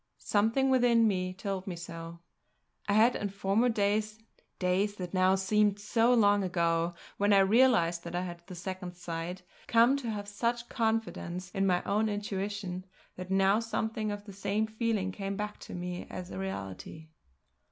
Something within me told me so. I had in former days days that now seemed so long ago when I realised that I had the Second Sight, come to have such confidence in my own intuition that now something of the same feeling came back to me as a reality.